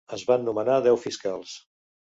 Es van nomenar deu fiscals.